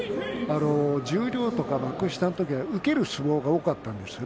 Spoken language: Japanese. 十両とか幕下は受ける相撲が多かったです。